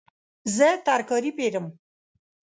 زه ترکاري پیرم